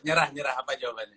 nyerah nyerah apa jawabannya